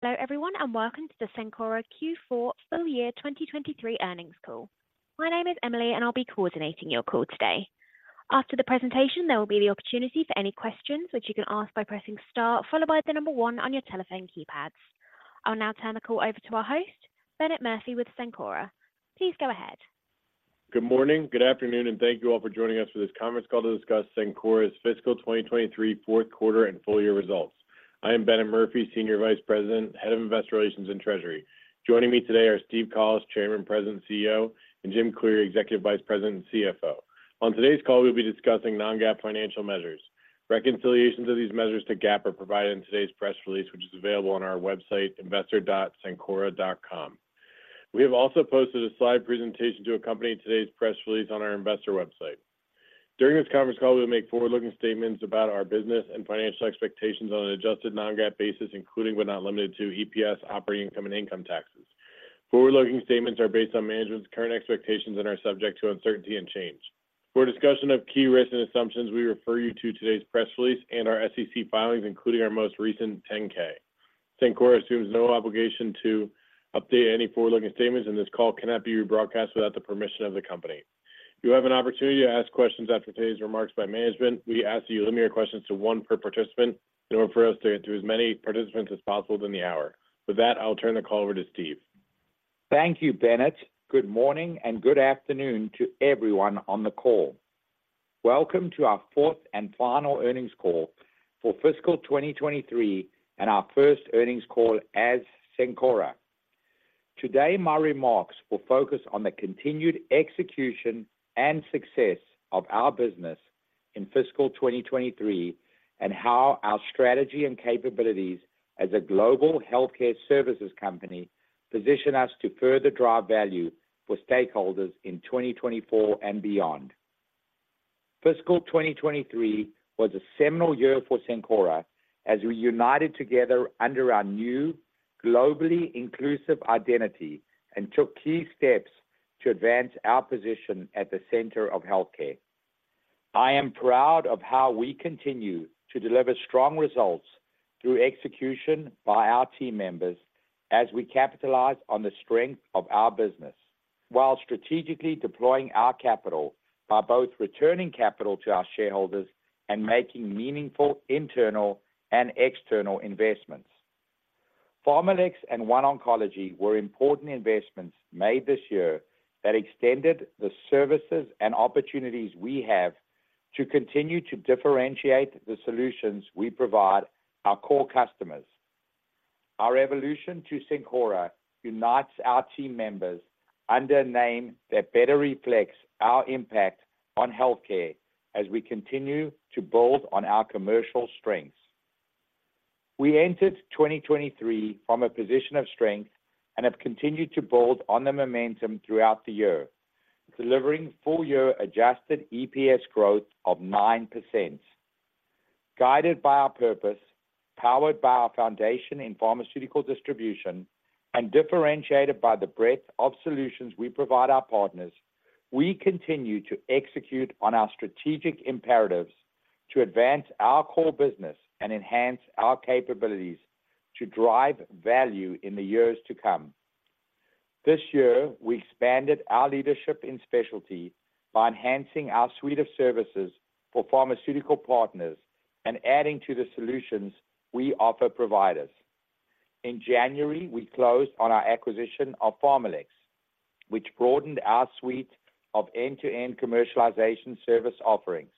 Hello, everyone, and welcome to the Cencora Q4 full year 2023 earnings call. My name is Emily, and I'll be coordinating your call today. After the presentation, there will be the opportunity for any questions, which you can ask by pressing Star, followed by the number one on your telephone keypads. I'll now turn the call over to our host, Bennett Murphy with Cencora. Please go ahead. Good morning, good afternoon, and thank you all for joining us for this conference call to discuss Cencora's fiscal 2023 Q4 and full year results. I am Bennett Murphy, Senior Vice President, Head of Investor Relations and Treasury. Joining me today are Steve Collis, Chairman, President, and CEO, and Jim Cleary, Executive Vice President and CFO. On today's call, we'll be discussing non-GAAP financial measures. Reconciliations of these measures to GAAP are provided in today's press release, which is available on our website, investor.cencora.com. We have also posted a slide presentation to accompany today's press release on our investor website. During this conference call, we'll make forward-looking statements about our business and financial expectations on an adjusted non-GAAP basis, including but not limited to EPS, operating income, and income taxes. Forward-looking statements are based on management's current expectations and are subject to uncertainty and change. For a discussion of key risks and assumptions, we refer you to today's press release and our SEC filings, including our most recent 10-K. Cencora assumes no obligation to update any forward-looking statements, and this call cannot be rebroadcast without the permission of the company. You have an opportunity to ask questions after today's remarks by management. We ask that you limit your questions to one per participant in order for us to get through as many participants as possible within the hour. With that, I'll turn the call over to Steve. Thank you, Bennett. Good morning, and good afternoon to everyone on the call. Welcome to our fourth and final earnings call for fiscal 2023 and our first earnings call as Cencora. Today, my remarks will focus on the continued execution and success of our business in fiscal 2023 and how our strategy and capabilities as a global healthcare services company position us to further drive value for stakeholders in 2024 and beyond. Fiscal 2023 was a seminal year for Cencora as we united together under our new globally inclusive identity and took key steps to advance our position at the center of healthcare. I am proud of how we continue to deliver strong results through execution by our team members as we capitalize on the strength of our business, while strategically deploying our capital by both returning capital to our shareholders and making meaningful internal and external investments. PharmaLex and OneOncology were important investments made this year that extended the services and opportunities we have to continue to differentiate the solutions we provide our core customers. Our evolution to Cencora unites our team members under a name that better reflects our impact on healthcare as we continue to build on our commercial strengths. We entered 2023 from a position of strength and have continued to build on the momentum throughout the year, delivering full-year adjusted EPS growth of 9%. Guided by our purpose, powered by our foundation in pharmaceutical distribution, and differentiated by the breadth of solutions we provide our partners, we continue to execute on our strategic imperatives to advance our core business and enhance our capabilities to drive value in the years to come. This year, we expanded our leadership in specialty by enhancing our suite of services for pharmaceutical partners and adding to the solutions we offer providers. In January, we closed on our acquisition of PharmaLex, which broadened our suite of end-to-end commercialization service offerings.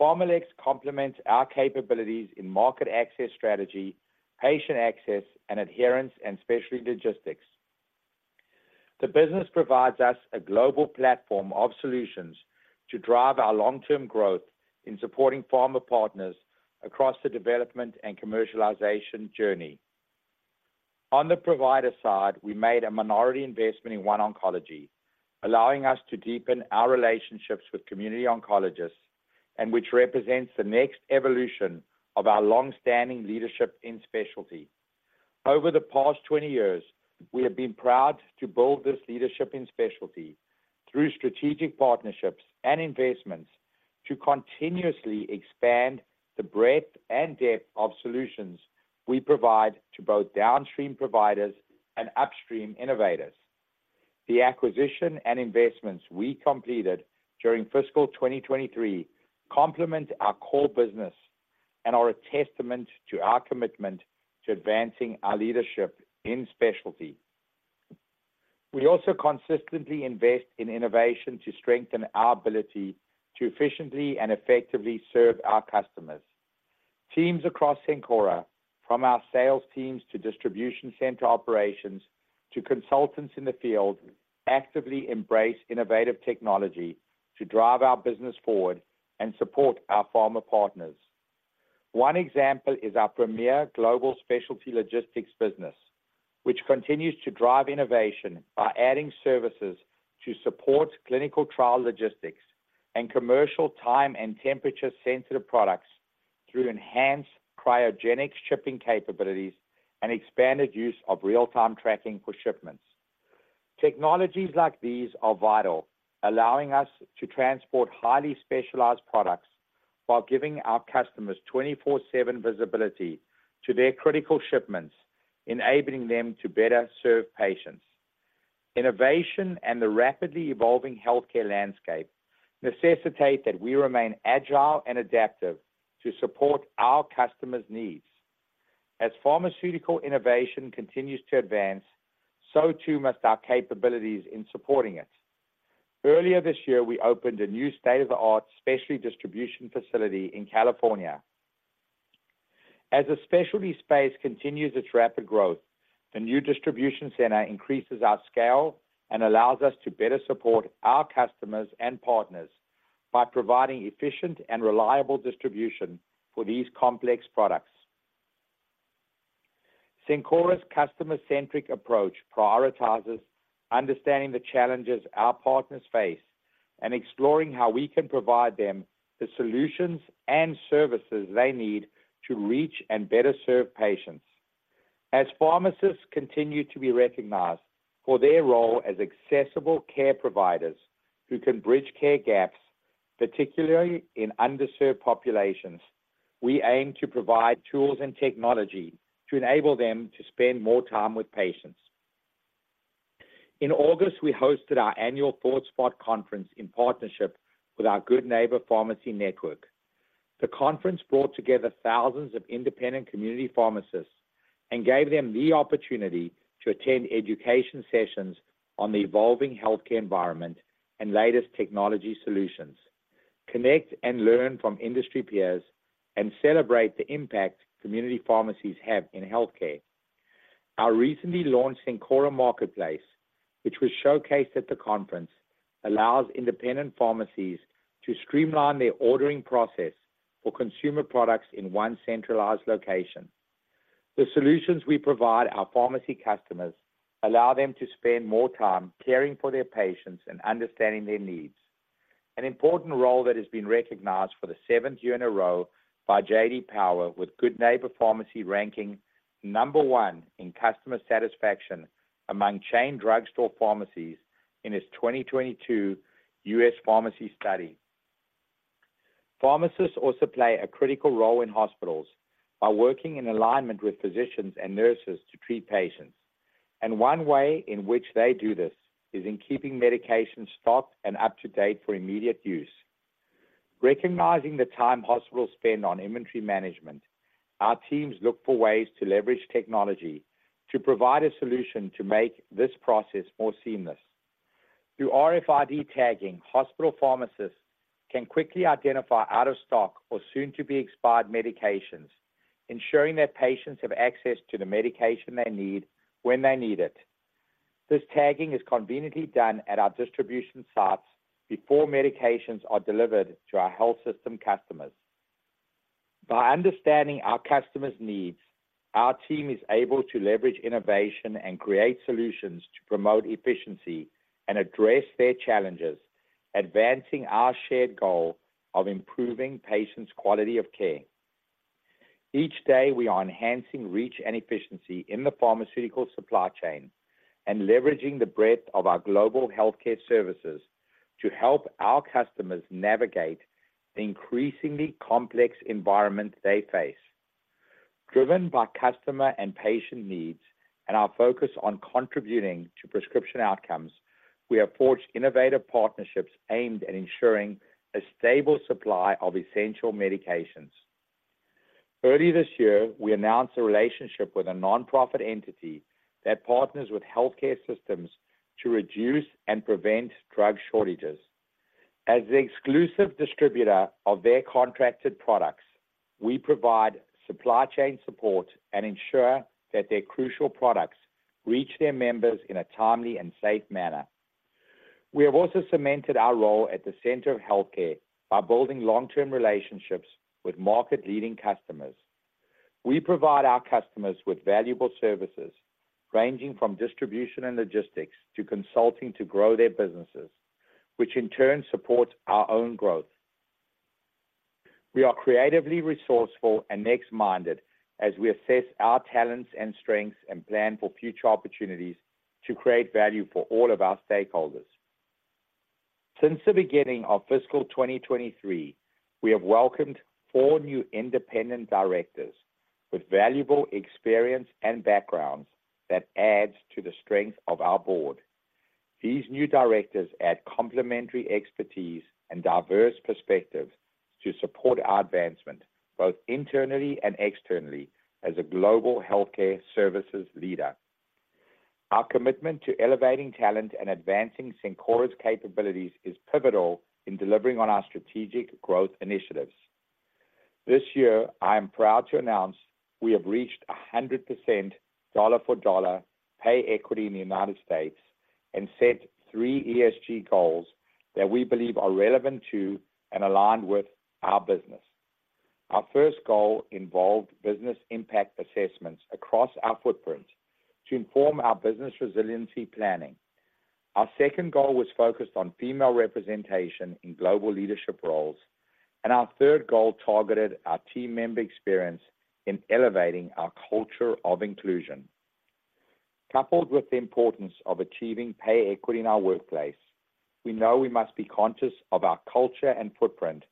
PharmaLex complements our capabilities in market access strategy, patient access and adherence, and specialty logistics. The business provides us a global platform of solutions to drive our long-term growth in supporting pharma partners across the development and commercialization journey. On the provider side, we made a minority investment in OneOncology, allowing us to deepen our relationships with community oncologists and which represents the next evolution of our long-standing leadership in specialty. Over the past 20 years, we have been proud to build this leadership in specialty through strategic partnerships and investments to continuously expand the breadth and depth of solutions we provide to both downstream providers and upstream innovators. The acquisition and investments we completed during fiscal 2023 complement our core business and are a testament to our commitment to advancing our leadership in specialty. We also consistently invest in innovation to strengthen our ability to efficiently and effectively serve our customers. Teams across Cencora, from our sales teams to distribution center operations, to consultants in the field, actively embrace innovative technology to drive our business forward and support our pharma partners. One example is our premier global specialty logistics business, which continues to drive innovation by adding services to support clinical trial logistics and commercial time and temperature-sensitive products through enhanced cryogenic shipping capabilities and expanded use of real-time tracking for shipments. Technologies like these are vital, allowing us to transport highly specialized products while giving our customers 24/7 visibility to their critical shipments, enabling them to better serve patients. Innovation and the rapidly evolving healthcare landscape necessitate that we remain agile and adaptive to support our customers' needs. As pharmaceutical innovation continues to advance, so too must our capabilities in supporting it. Earlier this year, we opened a new state-of-the-art specialty distribution facility in California. As the specialty space continues its rapid growth, the new distribution center increases our scale and allows us to better support our customers and partners by providing efficient and reliable distribution for these complex products. Cencora's customer-centric approach prioritizes understanding the challenges our partners face and exploring how we can provide them the solutions and services they need to reach and better serve patients. As pharmacists continue to be recognized for their role as accessible care providers who can bridge care gaps, particularly in underserved populations, we aim to provide tools and technology to enable them to spend more time with patients. In August, we hosted our annual ThoughtSpot conference in partnership with our Good Neighbor Pharmacy network. The conference brought together thousands of independent community pharmacists and gave them the opportunity to attend education sessions on the evolving healthcare environment and latest technology solutions, connect and learn from industry peers, and celebrate the impact community pharmacies have in healthcare. Our recently launched Cencora Marketplace, which was showcased at the conference, allows independent pharmacies to streamline their ordering process for consumer products in one centralized location. The solutions we provide our pharmacy customers allow them to spend more time caring for their patients and understanding their needs. An important role that has been recognized for the seventh year in a row by J.D. Power, with Good Neighbor Pharmacy ranking number one in customer satisfaction among chain drugstore pharmacies in its 2022 U.S. pharmacy study. Pharmacists also play a critical role in hospitals by working in alignment with physicians and nurses to treat patients, and one way in which they do this is in keeping medication stocked and up to date for immediate use. Recognizing the time hospitals spend on inventory management, our teams look for ways to leverage technology to provide a solution to make this process more seamless. Through RFID tagging, hospital pharmacists can quickly identify out-of-stock or soon-to-be-expired medications, ensuring that patients have access to the medication they need, when they need it. This tagging is conveniently done at our distribution sites before medications are delivered to our health system customers. By understanding our customers' needs, our team is able to leverage innovation and create solutions to promote efficiency and address their challenges, advancing our shared goal of improving patients' quality of care. Each day, we are enhancing reach and efficiency in the pharmaceutical supply chain and leveraging the breadth of our global healthcare services to help our customers navigate the increasingly complex environment they face. Driven by customer and patient needs and our focus on contributing to prescription outcomes, we have forged innovative partnerships aimed at ensuring a stable supply of essential medications. Early this year, we announced a relationship with a nonprofit entity that partners with healthcare systems to reduce and prevent drug shortages. As the exclusive distributor of their contracted products, we provide supply chain support and ensure that their crucial products reach their members in a timely and safe manner. We have also cemented our role at the center of healthcare by building long-term relationships with market-leading customers. We provide our customers with valuable services ranging from distribution and logistics to consulting to grow their businesses, which in turn supports our own growth. We are creatively resourceful and next-minded as we assess our talents and strengths and plan for future opportunities to create value for all of our stakeholders. Since the beginning of fiscal 2023, we have welcomed four new independent directors with valuable experience and backgrounds that adds to the strength of our board. These new directors add complementary expertise and diverse perspectives to support our advancement, both internally and externally, as a global healthcare services leader. Our commitment to elevating talent and advancing Cencora's capabilities is pivotal in delivering on our strategic growth initiatives. This year, I am proud to announce we have reached 100% dollar for dollar pay equity in the United States and set three ESG goals that we believe are relevant to and aligned with our business. Our first goal involved business impact assessments across our footprint to inform our business resiliency planning. Our second goal was focused on female representation in global leadership roles.... And our third goal targeted our team member experience in elevating our culture of inclusion. Coupled with the importance of achieving pay equity in our workplace, we know we must be conscious of our culture and footprint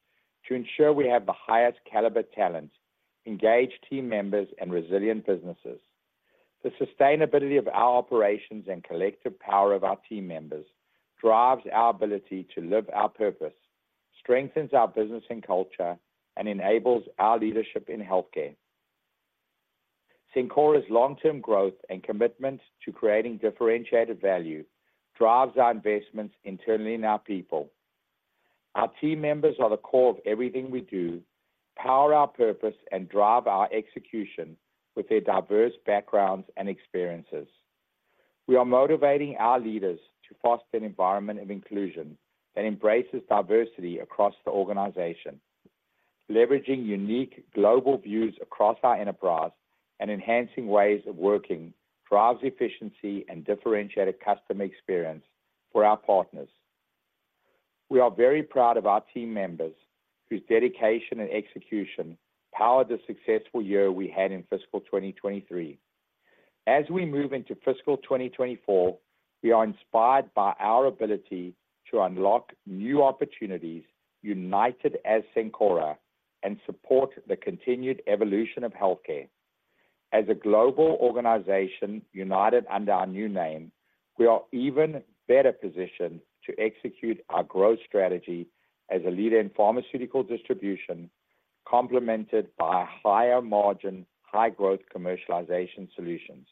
to ensure we have the highest caliber talent, engaged team members, and resilient businesses. The sustainability of our operations and collective power of our team members drives our ability to live our purpose, strengthens our business and culture, and enables our leadership in healthcare. Cencora's long-term growth and commitment to creating differentiated value drives our investments internally in our people. Our team members are the core of everything we do, power our purpose, and drive our execution with their diverse backgrounds and experiences. We are motivating our leaders to foster an environment of inclusion that embraces diversity across the organization. Leveraging unique global views across our enterprise and enhancing ways of working, drives efficiency and differentiated customer experience for our partners. We are very proud of our team members, whose dedication and execution powered the successful year we had in fiscal 2023. As we move into fiscal 2024, we are inspired by our ability to unlock new opportunities, united as Cencora, and support the continued evolution of healthcare. As a global organization, united under our new name, we are even better positioned to execute our growth strategy as a leader in pharmaceutical distribution, complemented by higher margin, high growth commercialization solutions.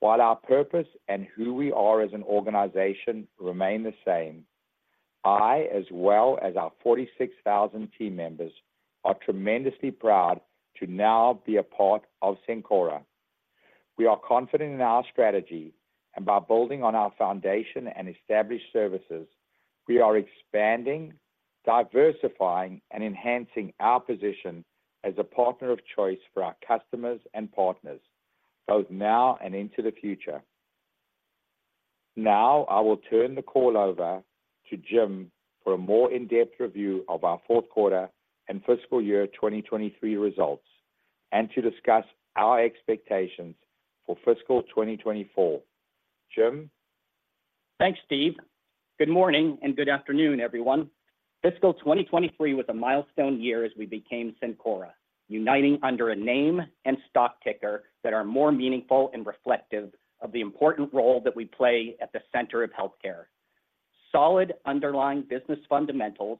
While our purpose and who we are as an organization remain the same, I, as well as our 46,000 team members, are tremendously proud to now be a part of Cencora. We are confident in our strategy, and by building on our foundation and established services, we are expanding, diversifying, and enhancing our position as a partner of choice for our customers and partners, both now and into the future. Now, I will turn the call over to Jim for a more in-depth review of our Q4 and fiscal year 2023 results, and to discuss our expectations for fiscal 2024. Jim? Thanks, Steve. Good morning and good afternoon, everyone. Fiscal 2023 was a milestone year as we became Cencora, uniting under a name and stock ticker that are more meaningful and reflective of the important role that we play at the center of healthcare. Solid underlying business fundamentals,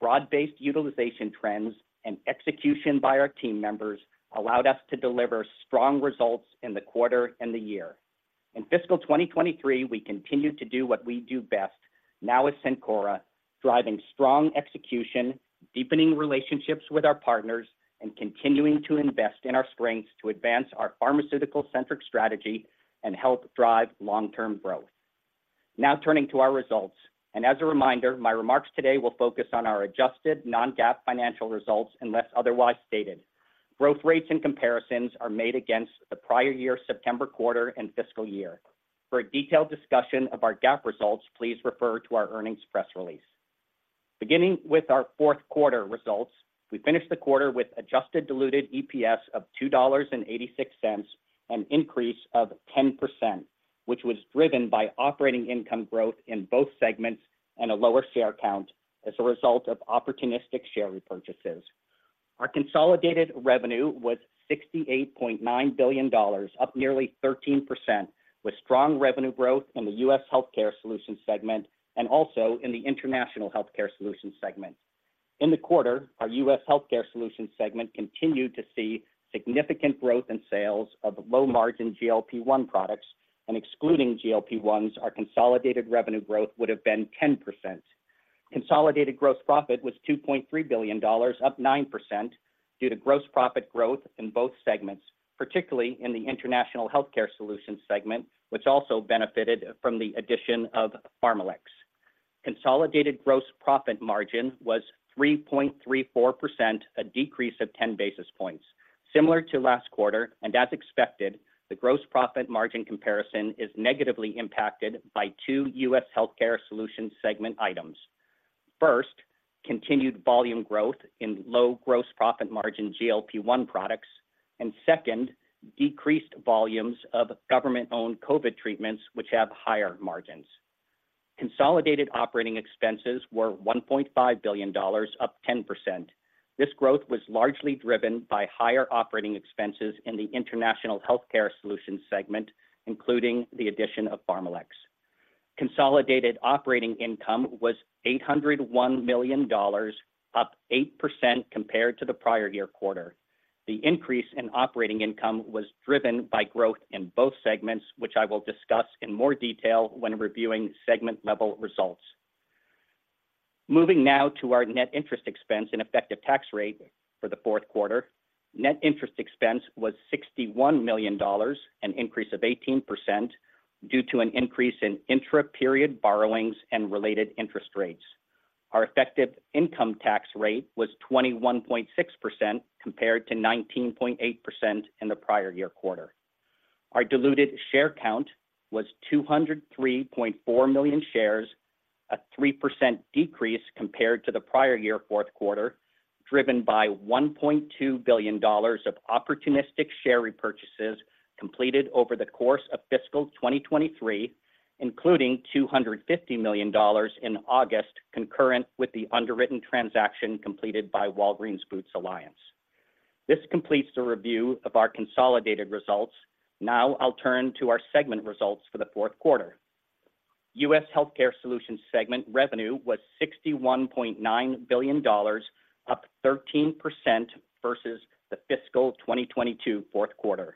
broad-based utilization trends, and execution by our team members allowed us to deliver strong results in the quarter and the year. In fiscal 2023, we continued to do what we do best, now as Cencora, driving strong execution, deepening relationships with our partners, and continuing to invest in our strengths to advance our pharmaceutical-centric strategy and help drive long-term growth. Now, turning to our results, and as a reminder, my remarks today will focus on our adjusted non-GAAP financial results, unless otherwise stated. Growth rates and comparisons are made against the prior year, September quarter and fiscal year. For a detailed discussion of our GAAP results, please refer to our earnings press release. Beginning with our Q4 results, we finished the quarter with adjusted diluted EPS of $2.86, an increase of 10%, which was driven by operating income growth in both segments and a lower share count as a result of opportunistic share repurchases. Our consolidated revenue was $68.9 billion, up nearly 13%, with strong revenue growth in the U.S. Healthcare Solutions segment and also in the International Healthcare Solutions segment. In the quarter, our U.S. Healthcare Solutions segment continued to see significant growth in sales of low-margin GLP-1 products, and excluding GLP-1s, our consolidated revenue growth would have been 10%. Consolidated gross profit was $2.3 billion, up 9%, due to gross profit growth in both segments, particularly in the International Healthcare Solutions segment, which also benefited from the addition of PharmaLex. Consolidated gross profit margin was 3.34%, a decrease of 10 basis points. Similar to last quarter, and as expected, the gross profit margin comparison is negatively impacted by two US Healthcare Solutions segment items. First, continued volume growth in low gross profit margin GLP-1 products, and second, decreased volumes of government-owned COVID treatments, which have higher margins. Consolidated operating expenses were $1.5 billion, up 10%. This growth was largely driven by higher operating expenses in the International Healthcare Solutions segment, including the addition of PharmaLex. Consolidated operating income was $801 million, up 8% compared to the prior year quarter. The increase in operating income was driven by growth in both segments, which I will discuss in more detail when reviewing segment-level results. Moving now to our net interest expense and effective tax rate for the Q4. Net interest expense was $61 million, an increase of 18%, due to an increase in intra-period borrowings and related interest rates. Our effective income tax rate was 21.6%, compared to 19.8% in the prior year quarter. Our diluted share count was 203.4 million shares, a 3% decrease compared to the prior year Q4, driven by $1.2 billion of opportunistic share repurchases completed over the course of fiscal 2023, including $250 million in August, concurrent with the underwritten transaction completed by Walgreens Boots Alliance. This completes the review of our consolidated results. Now I'll turn to our segment results for the Q4. US Healthcare Solutions segment revenue was $61.9 billion, up 13% versus the fiscal 2022 Q4.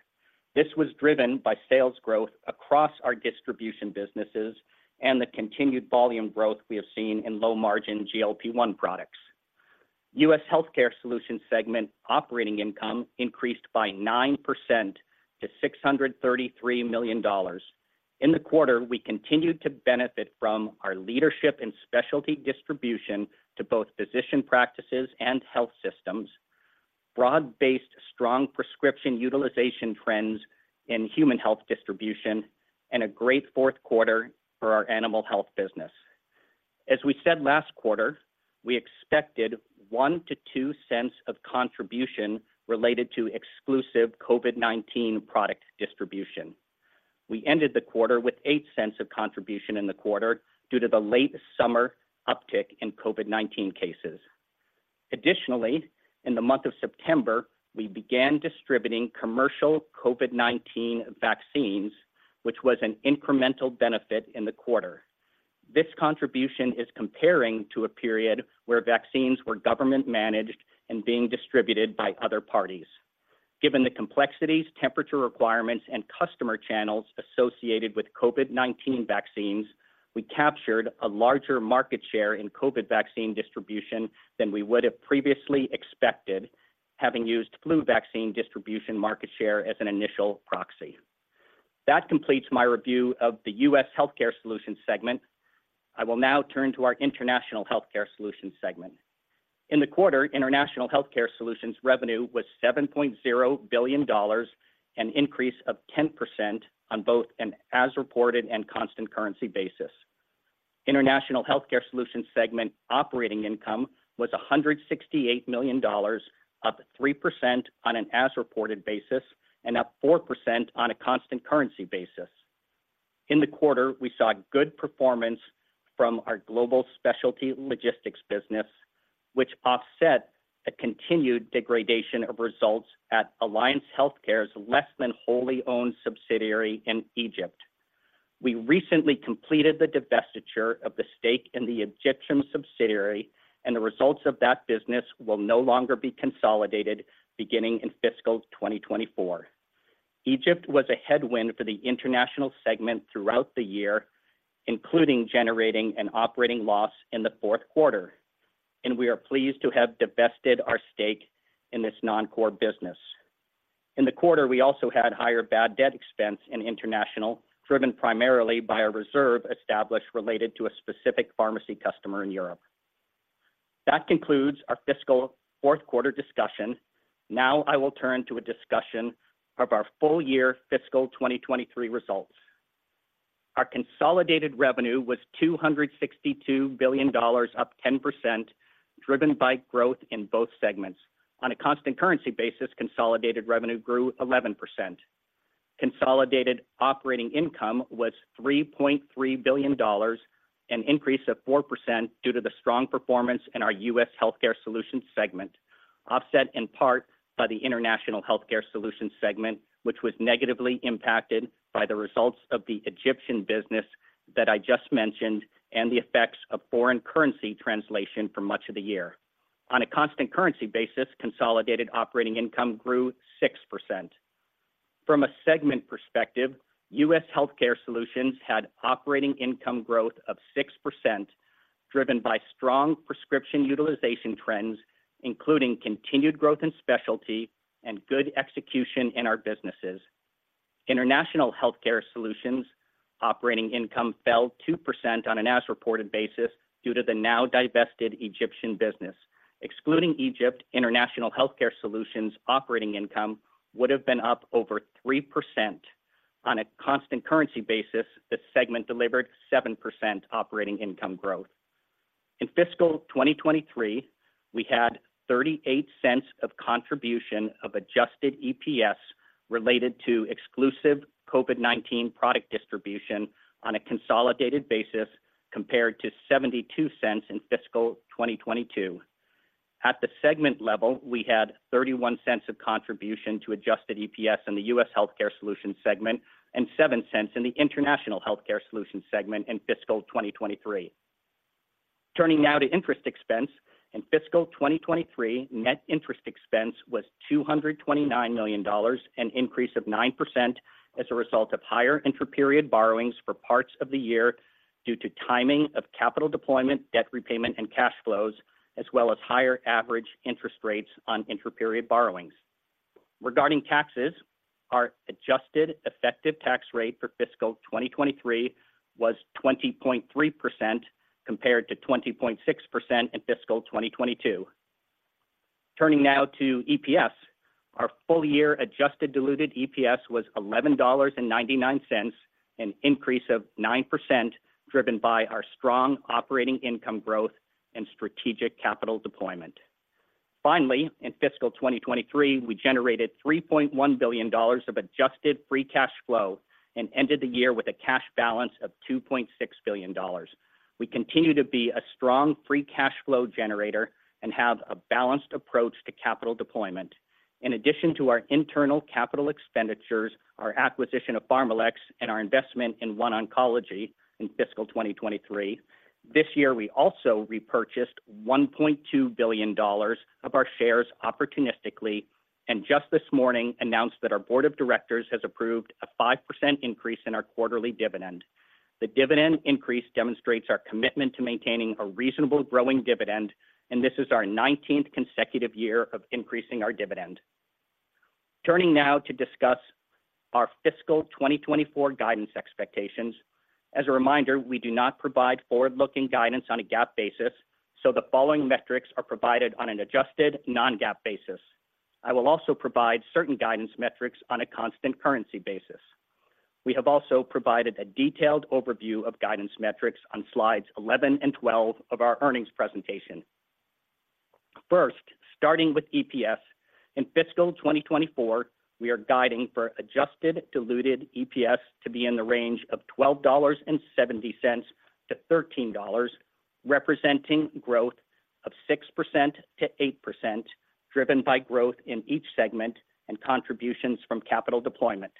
This was driven by sales growth across our distribution businesses and the continued volume growth we have seen in low-margin GLP-1 products. US Healthcare Solutions segment operating income increased by 9% to $633 million. In the quarter, we continued to benefit from our leadership in specialty distribution to both physician practices and health systems, broad-based, strong prescription utilization trends in human health distribution, and a great Q4 for our animal health business. As we said last quarter, we expected $0.01 to $0.02 of contribution related to exclusive COVID-19 product distribution. We ended the quarter with $0.08 of contribution in the quarter due to the late summer uptick in COVID-19 cases. Additionally, in the month of September, we began distributing commercial COVID-19 vaccines, which was an incremental benefit in the quarter. This contribution is comparing to a period where vaccines were government-managed and being distributed by other parties. Given the complexities, temperature requirements, and customer channels associated with COVID-19 vaccines, we captured a larger market share in COVID vaccine distribution than we would have previously expected, having used flu vaccine distribution market share as an initial proxy. That completes my review of the U.S. Healthcare Solutions segment. I will now turn to our International Healthcare Solutions segment. In the quarter, International Healthcare Solutions revenue was $7.0 billion, an increase of 10% on both an as-reported and constant currency basis. International Healthcare Solutions segment operating income was $168 million, up 3% on an as-reported basis and up 4% on a constant currency basis. In the quarter, we saw good performance from our global specialty logistics business, which offset a continued degradation of results at Alliance Healthcare's less than wholly owned subsidiary in Egypt. We recently completed the divestiture of the stake in the Egyptian subsidiary, and the results of that business will no longer be consolidated beginning in fiscal 2024. Egypt was a headwind for the international segment throughout the year, including generating an operating loss in the Q4, and we are pleased to have divested our stake in this non-core business. In the quarter, we also had higher bad debt expense in international, driven primarily by a reserve established related to a specific pharmacy customer in Europe. That concludes our fiscal Q4 discussion. Now I will turn to a discussion of our full year fiscal 2023 results. Our consolidated revenue was $262 billion, up 10%, driven by growth in both segments. On a constant currency basis, consolidated revenue grew 11%. Consolidated operating income was $3.3 billion, an increase of 4% due to the strong performance in our U.S. Healthcare Solutions segment, offset in part by the International Healthcare Solutions segment, which was negatively impacted by the results of the Egyptian business that I just mentioned and the effects of foreign currency translation for much of the year. On a constant currency basis, consolidated operating income grew 6%. From a segment perspective, U.S. Healthcare Solutions had operating income growth of 6%, driven by strong prescription utilization trends, including continued growth in specialty and good execution in our businesses. International Healthcare Solutions' operating income fell 2% on an as-reported basis due to the now divested Egyptian business. Excluding Egypt, International Healthcare Solutions' operating income would have been up over 3%. On a constant currency basis, this segment delivered 7% operating income growth. In fiscal 2023, we had $0.38 of contribution of adjusted EPS related to exclusive COVID-19 product distribution on a consolidated basis, compared to $0.72 in fiscal 2022. At the segment level, we had $0.31 of contribution to adjusted EPS in the US Healthcare Solutions segment and $0.07 in the International Healthcare Solutions segment in fiscal 2023. Turning now to interest expense. In fiscal 2023, net interest expense was $229 million, an increase of 9% as a result of higher intraperiod borrowings for parts of the year due to timing of capital deployment, debt repayment, and cash flows, as well as higher average interest rates on intraperiod borrowings. Regarding taxes, our adjusted effective tax rate for fiscal 2023 was 20.3%, compared to 20.6% in fiscal 2022. Turning now to EPS, our full year adjusted diluted EPS was $11.99, an increase of 9%, driven by our strong operating income growth and strategic capital deployment. Finally, in fiscal 2023, we generated $3.1 billion of adjusted free cash flow and ended the year with a cash balance of $2.6 billion. We continue to be a strong free cash flow generator and have a balanced approach to capital deployment. In addition to our internal capital expenditures, our acquisition of PharmaLex, and our investment in One Oncology in fiscal 2023, this year, we also repurchased $1.2 billion of our shares opportunistically, and just this morning announced that our board of directors has approved a 5% increase in our quarterly dividend. The dividend increase demonstrates our commitment to maintaining a reasonable growing dividend, and this is our 19th consecutive year of increasing our dividend. Turning now to discuss our fiscal 2024 guidance expectations. As a reminder, we do not provide forward-looking guidance on a GAAP basis, so the following metrics are provided on an adjusted, non-GAAP basis. I will also provide certain guidance metrics on a constant currency basis. We have also provided a detailed overview of guidance metrics on slides 11 and 12 of our earnings presentation. First, starting with EPS, in fiscal 2024, we are guiding for adjusted diluted EPS to be in the range of $12.70-$13, representing growth of 6%-8%, driven by growth in each segment and contributions from capital deployment.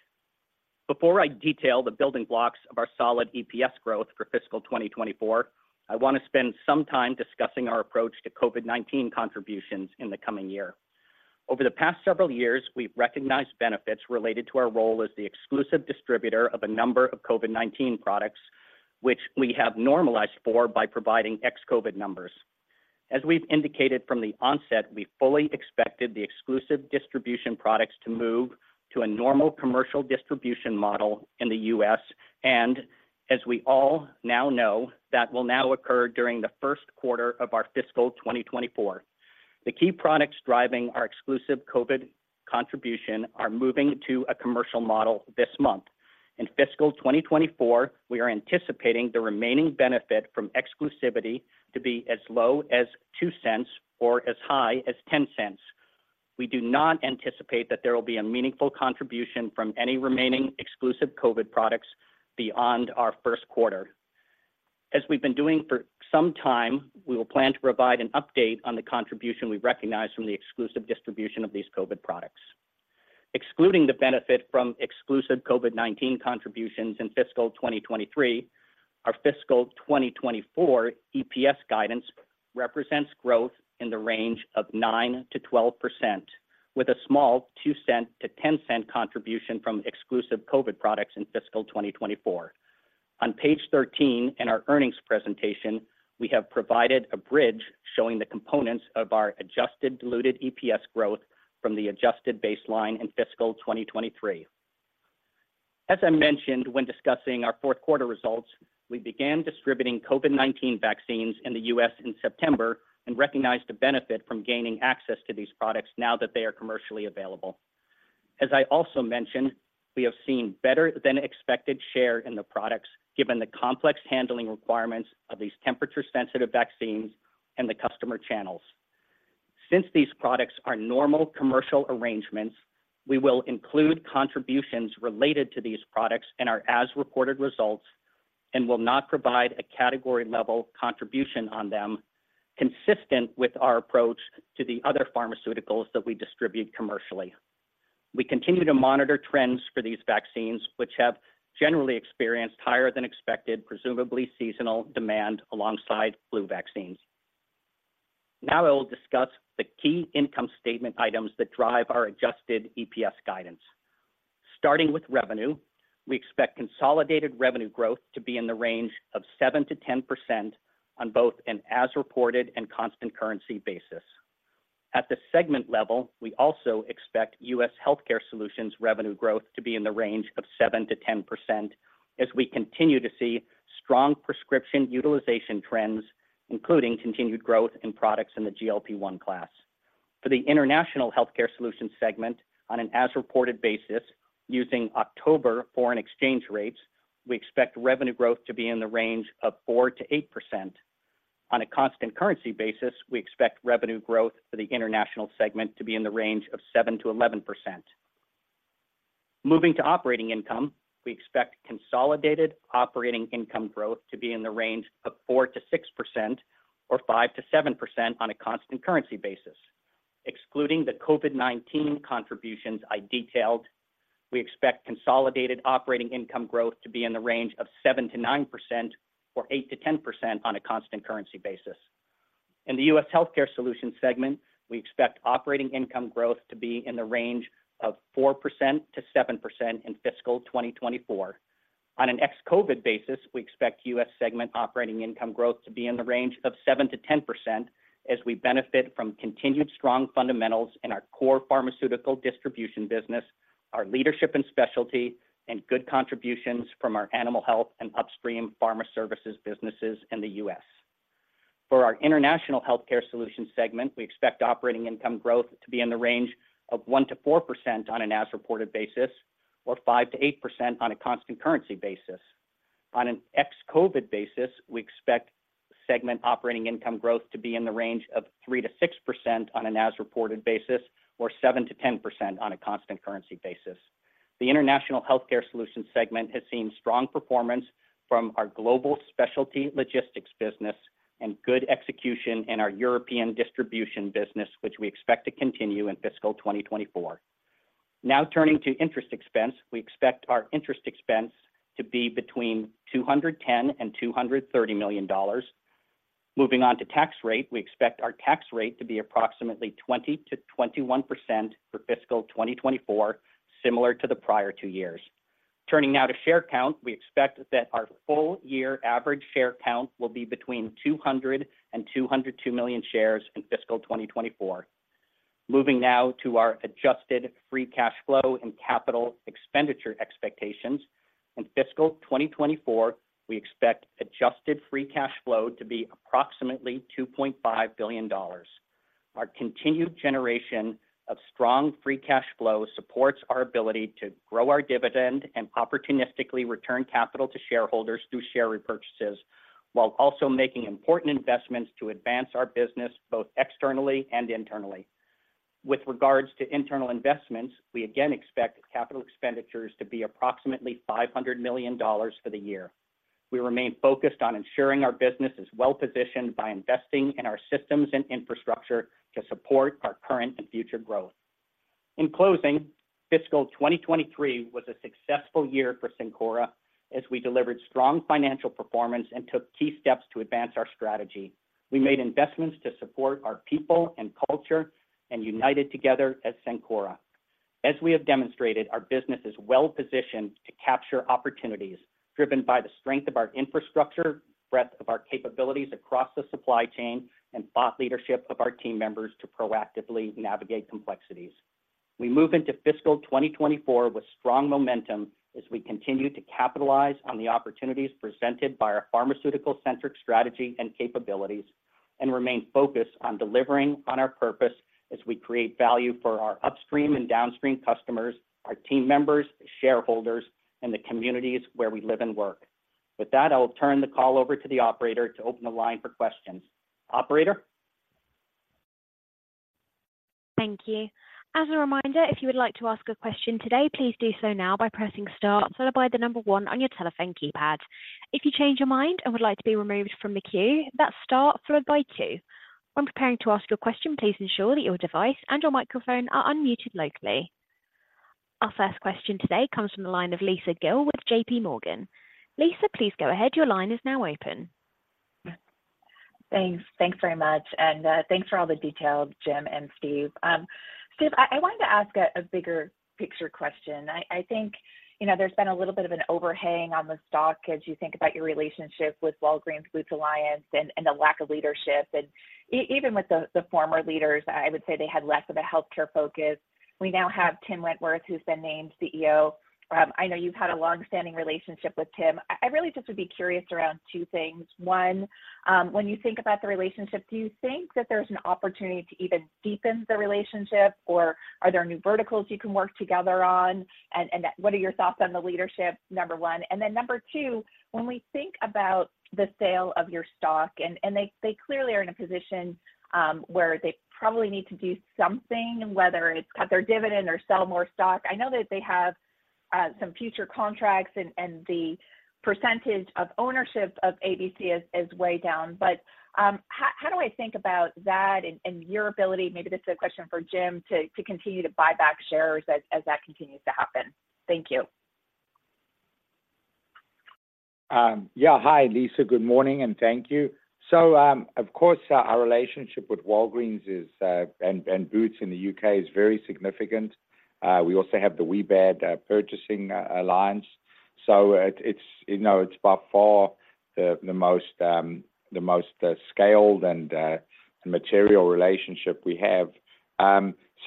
Before I detail the building blocks of our solid EPS growth for fiscal 2024, I want to spend some time discussing our approach to COVID-19 contributions in the coming year. Over the past several years, we've recognized benefits related to our role as the exclusive distributor of a number of COVID-19 products, which we have normalized for by providing ex-COVID numbers. As we've indicated from the onset, we fully expected the exclusive distribution products to move to a normal commercial distribution model in the U.S., and as we all now know, that will now occur during the Q1 of our fiscal 2024. The key products driving our exclusive COVID contribution are moving to a commercial model this month. In fiscal 2024, we are anticipating the remaining benefit from exclusivity to be as low as $0.02 or as high as $0.10. We do not anticipate that there will be a meaningful contribution from any remaining exclusive COVID products beyond our Q1. As we've been doing for some time, we will plan to provide an update on the contribution we recognize from the exclusive distribution of these COVID products. Excluding the benefit from exclusive COVID-19 contributions in fiscal 2023, our fiscal 2024 EPS guidance represents growth in the range of 9%-12%, with a small $0.02-$0.10 contribution from exclusive COVID products in fiscal 2024. On page 13 in our earnings presentation, we have provided a bridge showing the components of our adjusted diluted EPS growth from the adjusted baseline in fiscal 2023. As I mentioned when discussing our Q4 results, we began distributing COVID-19 vaccines in the U.S. in September and recognized a benefit from gaining access to these products now that they are commercially available. As I also mentioned, we have seen better than expected share in the products, given the complex handling requirements of these temperature-sensitive vaccines and the customer channels. Since these products are normal commercial arrangements, we will include contributions related to these products in our as-reported results and will not provide a category-level contribution on them, consistent with our approach to the other pharmaceuticals that we distribute commercially. We continue to monitor trends for these vaccines, which have generally experienced higher than expected, presumably seasonal demand alongside flu vaccines. Now I will discuss the key income statement items that drive our adjusted EPS guidance. Starting with revenue, we expect consolidated revenue growth to be in the range of 7%-10% on both an as-reported and constant currency basis. At the segment level, we also expect U.S. Healthcare Solutions revenue growth to be in the range of 7%-10%, as we continue to see strong prescription utilization trends, including continued growth in products in the GLP-1 class. For the International Healthcare Solutions segment, on an as-reported basis, using October foreign exchange rates, we expect revenue growth to be in the range of 4%-8%. On a constant currency basis, we expect revenue growth for the international segment to be in the range of 7%-11%. Moving to operating income, we expect consolidated operating income growth to be in the range of 4%-6% or 5%-7% on a constant currency basis. Excluding the COVID-19 contributions I detailed, we expect consolidated operating income growth to be in the range of 7%-9% or 8%-10% on a constant currency basis. In the US Healthcare Solutions segment, we expect operating income growth to be in the range of 4%-7% in fiscal 2024. On an ex-COVID basis, we expect U.S. segment operating income growth to be in the range of 7%-10% as we benefit from continued strong fundamentals in our core pharmaceutical distribution business, our leadership and specialty, and good contributions from our animal health and upstream pharma services businesses in the U.S. For our international healthcare solutions segment, we expect operating income growth to be in the range of 1%-4% on an as-reported basis, or 5%-8% on a constant currency basis. On an ex-COVID basis, we expect segment operating income growth to be in the range of 3%-6% on an as-reported basis, or 7%-10% on a constant currency basis. The international healthcare solutions segment has seen strong performance from our global specialty logistics business and good execution in our European distribution business, which we expect to continue in fiscal 2024. Now turning to interest expense. We expect our interest expense to be between $210 million and $230 million. Moving on to tax rate, we expect our tax rate to be approximately 20%-21% for fiscal 2024, similar to the prior two years. Turning now to share count, we expect that our full year average share count will be between 200 and 202 million shares in fiscal 2024. Moving now to our adjusted free cash flow and capital expenditure expectations. In fiscal 2024, we expect adjusted free cash flow to be approximately $2.5 billion. Our continued generation of strong free cash flow supports our ability to grow our dividend and opportunistically return capital to shareholders through share repurchases, while also making important investments to advance our business, both externally and internally. With regards to internal investments, we again expect capital expenditures to be approximately $500 million for the year. We remain focused on ensuring our business is well-positioned by investing in our systems and infrastructure to support our current and future growth. In closing, fiscal 2023 was a successful year for Cencora as we delivered strong financial performance and took key steps to advance our strategy. We made investments to support our people and culture and united together as Cencora. As we have demonstrated, our business is well-positioned to capture opportunities, driven by the strength of our infrastructure, breadth of our capabilities across the supply chain, and thought leadership of our team members to proactively navigate complexities. We move into fiscal 2024 with strong momentum as we continue to capitalize on the opportunities presented by our pharmaceutical-centric strategy and capabilities, and remain focused on delivering on our purpose as we create value for our upstream and downstream customers, our team members, shareholders, and the communities where we live and work. With that, I will turn the call over to the operator to open the line for questions. Operator? Thank you. As a reminder, if you would like to ask a question today, please do so now by pressing star, followed by the number one on your telephone keypad. If you change your mind and would like to be removed from the queue, that's star followed by 2. When preparing to ask your question, please ensure that your device and your microphone are unmuted locally. Our first question today comes from the line of Lisa Gill with JP Morgan. Lisa, please go ahead. Your line is now open. Thanks. Thanks very much, and, thanks for all the details, Jim and Steve. Steve, I wanted to ask a bigger picture question. I think, you know, there's been a little bit of an overhang on the stock as you think about your relationship with Walgreens Boots Alliance and the lack of leadership. And even with the former leaders, I would say they had less of a healthcare focus. We now have Tim Wentworth, who's been named CEO. I know you've had a long-standing relationship with Tim. I really just would be curious around two things. One, when you think about the relationship, do you think that there's an opportunity to even deepen the relationship, or are there new verticals you can work together on? And what are your thoughts on the leadership, number one? And then number two, when we think about the sale of your stock, and they clearly are in a position where they probably need to do something, whether it's cut their dividend or sell more stock. I know that they have some future contracts, and the percentage of ownership of ABC is way down. But how do I think about that and your ability, maybe this is a question for Jim, to continue to buy back shares as that continues to happen? Thank you. Yeah. Hi, Lisa. Good morning, and thank you. So, of course, our relationship with Walgreens is, and Boots in the U.K. is very significant. We also have the WBAD purchasing alliance. So, it's, you know, it's by far the most scaled and material relationship we have.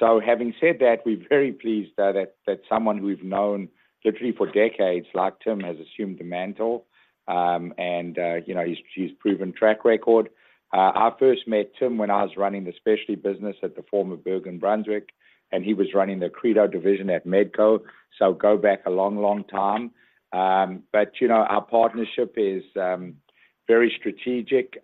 So having said that, we're very pleased that someone who we've known literally for decades, like Tim, has assumed the mantle. And, you know, he's proven track record. I first met Tim when I was running the specialty business at the former Bergen Brunswig, and he was running the Accredo division at Medco. So go back a long, long time. But, you know, our partnership is very strategic.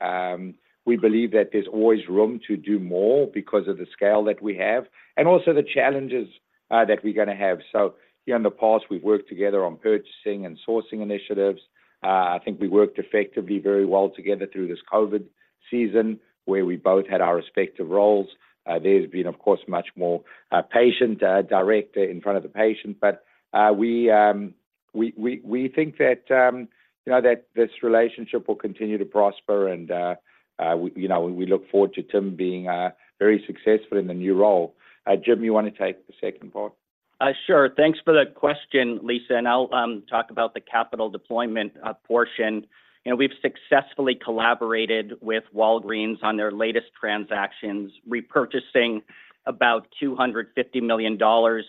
We believe that there's always room to do more because of the scale that we have and also the challenges that we're gonna have. So here in the past, we've worked together on purchasing and sourcing initiatives. I think we worked effectively, very well together through this COVID season, where we both had our respective roles. There's been, of course, much more patient direct in front of the patient. But we think that, you know, that this relationship will continue to prosper and, you know, we look forward to Tim being very successful in the new role. Jim, you want to take the second part? Sure. Thanks for the question, Lisa, and I'll talk about the capital deployment portion. You know, we've successfully collaborated with Walgreens on their latest transactions, repurchasing about $250 million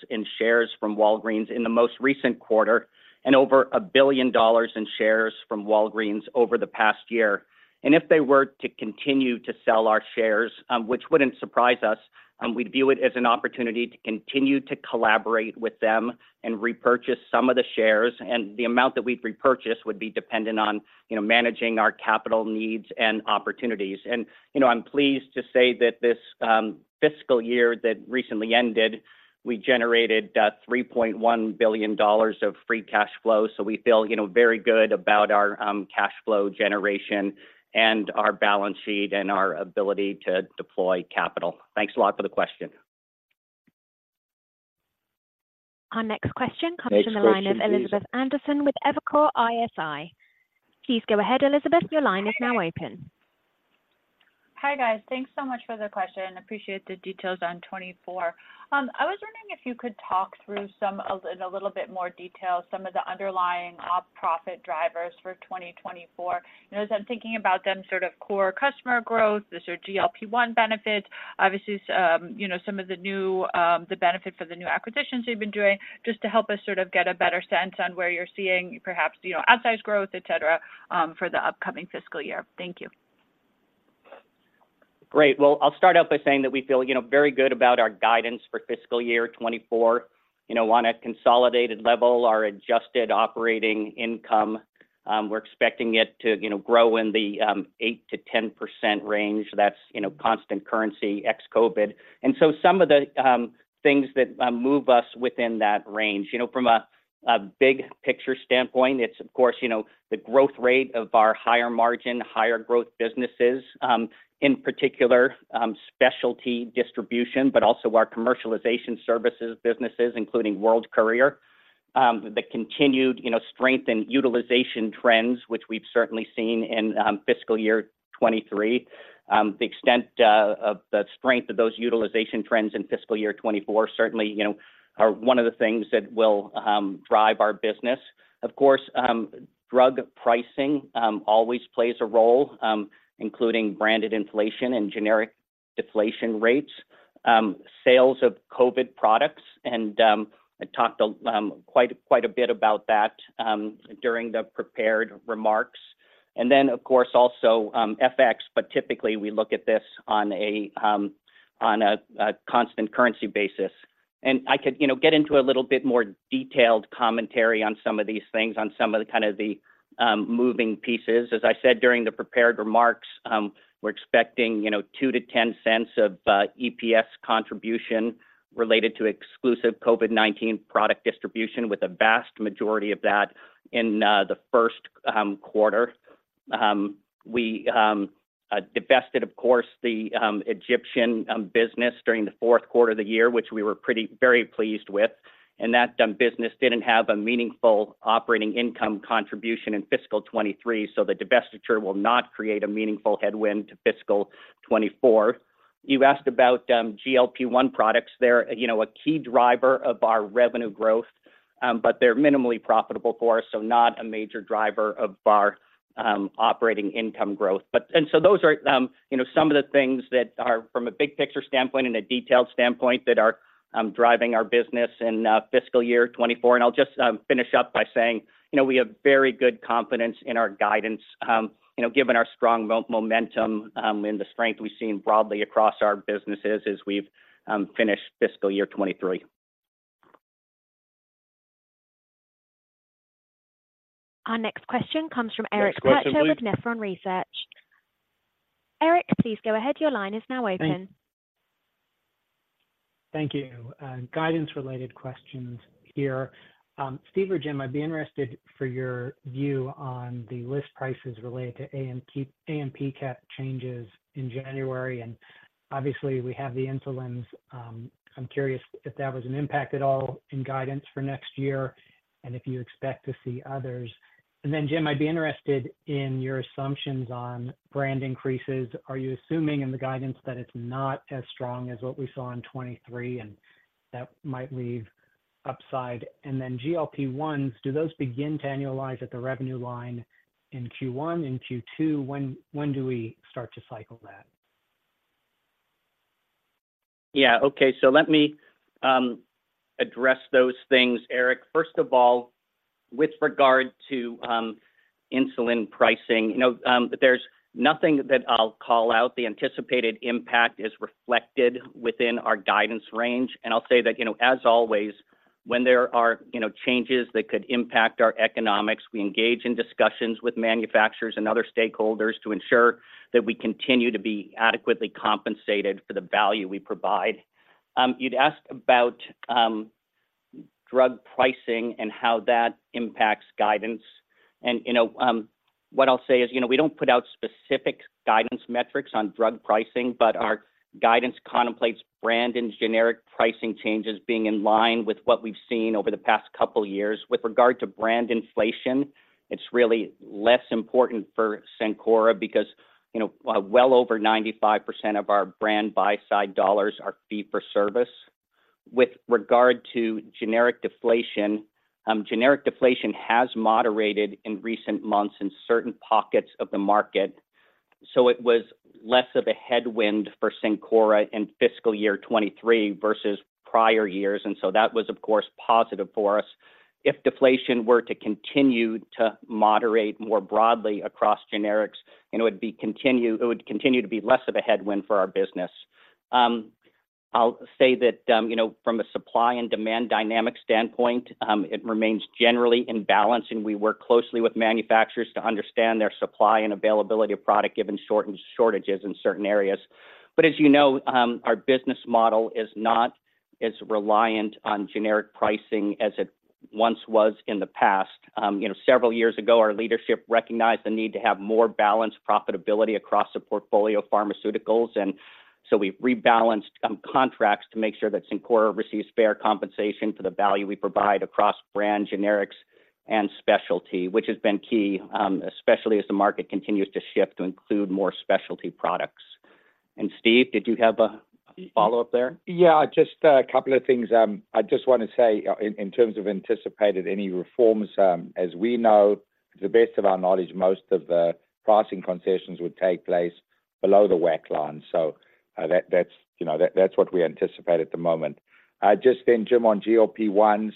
in shares from Walgreens in the most recent quarter, and over $1 billion in shares from Walgreens over the past year. And if they were to continue to sell our shares, which wouldn't surprise us, we'd view it as an opportunity to continue to collaborate with them and repurchase some of the shares, and the amount that we'd repurchase would be dependent on, you know, managing our capital needs and opportunities. You know, I'm pleased to say that this fiscal year that recently ended, we generated $3.1 billion of free cash flow. We feel, you know, very good about our cash flow generation and our balance sheet and our ability to deploy capital. Thanks a lot for the question. Our next question comes from the line of Elizabeth Anderson with Evercore ISI. Please go ahead, Elizabeth. Your line is now open. Hi, guys. Thanks so much for the question, appreciate the details on 2024. I was wondering if you could talk through some of, in a little bit more detail, some of the underlying op profit drivers for 2024. You know, as I'm thinking about them, sort of core customer growth, is there GLP-1 benefits, obviously, you know, some of the new, the benefit for the new acquisitions you've been doing, just to help us sort of get a better sense on where you're seeing, perhaps, you know, outsized growth, et cetera, for the upcoming fiscal year. Thank you. Great. Well, I'll start out by saying that we feel, you know, very good about our guidance for fiscal year 2024. You know, on a consolidated level, our adjusted operating income, we're expecting it to, you know, grow in the 8%-10% range. That's, you know, constant currency ex-COVID. And so some of the things that move us within that range, you know, from a big picture standpoint, it's of course, you know, the growth rate of our higher margin, higher growth businesses, in particular, Specialty Distribution, but also our commercialization services businesses, including World Courier. The continued, you know, strength and utilization trends, which we've certainly seen in fiscal year 2023. The extent of the strength of those utilization trends in fiscal year 2024, certainly, you know, are one of the things that will drive our business. Of course, drug pricing always plays a role, including branded inflation and generic deflation rates, sales of COVID products, and I talked quite, quite a bit about that during the prepared remarks. And then, of course, also, FX, but typically we look at this on a constant currency basis. And I could, you know, get into a little bit more detailed commentary on some of these things, on some of the, kind of the moving pieces. As I said, during the prepared remarks, we're expecting, you know, $0.02-$0.10 of EPS contribution related to exclusive COVID-19 product distribution, with the vast majority of that in the Q1. We divested, of course, the Egyptian business during the Q4 of the year, which we were pretty very pleased with, and that business didn't have a meaningful operating income contribution in fiscal 2023, so the divestiture will not create a meaningful headwind to fiscal 2024. You asked about GLP-1 products. They're, you know, a key driver of our revenue growth, but they're minimally profitable for us, so not a major driver of our operating income growth. So those are, you know, some of the things that are from a big picture standpoint and a detailed standpoint that are driving our business in fiscal year 2024. And I'll just finish up by saying, you know, we have very good confidence in our guidance, you know, given our strong momentum, and the strength we've seen broadly across our businesses as we've finished fiscal year 2023. Our next question comes from Eric Percher- Next question please. with Nephron Research. Eric, please go ahead. Your line is now open. Thank you. Guidance-related questions here. Steve or Jim, I'd be interested for your view on the list prices related to AMP, AMP cap changes in January, and obviously, we have the insulins. I'm curious if that was an impact at all in guidance for next year, and if you expect to see others. And then, Jim, I'd be interested in your assumptions on brand increases. Are you assuming in the guidance that it's not as strong as what we saw in 2023, and that might leave upside? And then GLP-1s, do those begin to annualize at the revenue line in Q1 and Q2? When, when do we start to cycle that? Yeah. Okay. So let me address those things, Eric. First of all, with regard to insulin pricing, you know, there's nothing that I'll call out. The anticipated impact is reflected within our guidance range, and I'll say that, you know, as always, when there are, you know, changes that could impact our economics, we engage in discussions with manufacturers and other stakeholders to ensure that we continue to be adequately compensated for the value we provide. You'd asked about drug pricing and how that impacts guidance. You know, what I'll say is, you know, we don't put out specific guidance metrics on drug pricing, but our guidance contemplates brand and generic pricing changes being in line with what we've seen over the past couple of years. With regard to brand inflation, it's really less important for Cencora because, you know, well over 95% of our brand buy-side dollars are fee for service. With regard to generic deflation, generic deflation has moderated in recent months in certain pockets of the market. So it was less of a headwind for Cencora in fiscal year 2023 versus prior years, and so that was, of course, positive for us. If deflation were to continue to moderate more broadly across generics, it would continue to be less of a headwind for our business. I'll say that, you know, from a supply and demand dynamic standpoint, it remains generally in balance, and we work closely with manufacturers to understand their supply and availability of product, given shortened shortages in certain areas. As you know, our business model is not as reliant on generic pricing as it once was in the past. You know, several years ago, our leadership recognized the need to have more balanced profitability across the portfolio of pharmaceuticals, and so we rebalanced contracts to make sure that Cencora receives fair compensation for the value we provide across brand generics and specialty, which has been key, especially as the market continues to shift to include more specialty products. Steve, did you have a follow-up there? Yeah, just a couple of things. I just want to say, in terms of anticipated any reforms, as we know, to the best of our knowledge, most of the pricing concessions would take place below the WAC line. So, that, that's, you know, that's what we anticipate at the moment. Just then, Jim, on GLP-1s,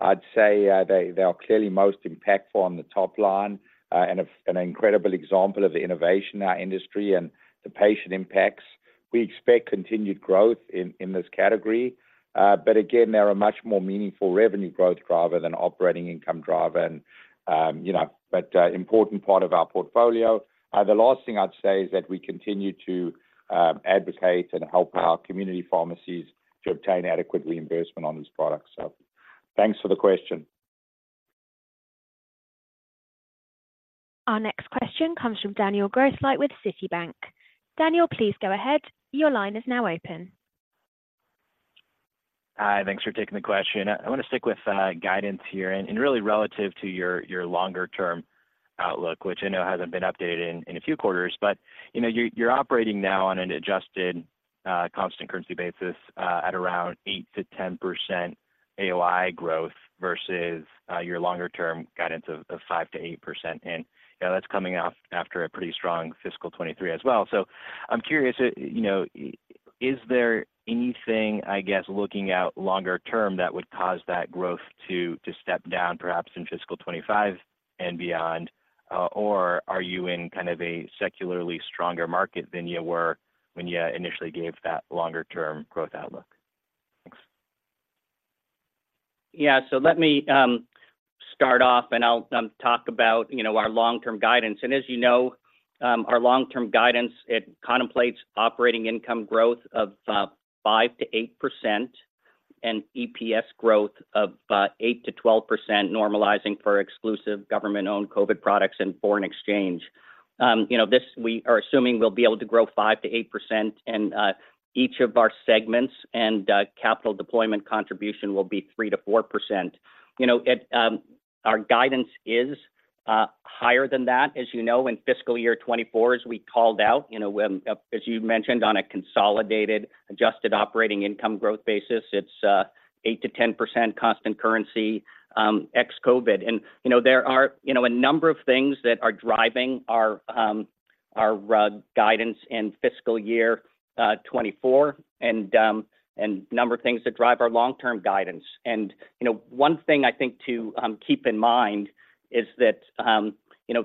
I'd say, they are clearly most impactful on the top line, and an incredible example of the innovation in our industry and the patient impacts. We expect continued growth in this category, but again, they are a much more meaningful revenue growth rather than operating income driver and, you know, but important part of our portfolio. The last thing I'd say is that we continue to advocate and help our community pharmacies to obtain adequate reimbursement on these products. Thanks for the question. Our next question comes from Daniel Grosslight with Citibank. Daniel, please go ahead. Your line is now open. Hi, thanks for taking the question. I want to stick with, guidance here and really relative to your, your longer-term outlook, which I know hasn't been updated in, in a few quarters. But, you know, you're, you're operating now on an adjusted, constant currency basis, at around 8%-10% AOI growth versus, your longer-term guidance of, of 5%-8%. And, you know, that's coming off after a pretty strong fiscal 2023 as well. So I'm curious, you know, is there anything, I guess, looking out longer term, that would cause that growth to, to step down, perhaps in fiscal 2025 and beyond? Or are you in kind of a secularly stronger market than you were when you initially gave that longer-term growth outlook? Thanks. Yeah. So let me start off, and I'll talk about, you know, our long-term guidance. And as you know, our long-term guidance, it contemplates operating income growth of 5%-8% and EPS growth of 8%-12%, normalizing for exclusive government-owned COVID products and foreign exchange. You know, this, we are assuming we'll be able to grow 5%-8% and each of our segments and capital deployment contribution will be 3%-4%. You know, it, our guidance is higher than that. As you know, in fiscal year 2024, as we called out, you know, as you mentioned, on a consolidated, adjusted operating income growth basis, it's 8%-10% constant currency, ex-COVID. And, you know, there are, you know, a number of things that are driving our guidance in fiscal year 2024 and a number of things that drive our long-term guidance. And, you know, one thing I think to keep in mind is that, you know,